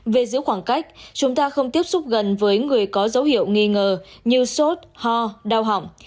về giữ khoảng cách chúng ta không tiếp xúc gần với người có dấu hiệu nghi ngờ như sốt ho đau hỏng